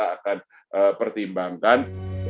beberapa yang kita akan pertimbangkan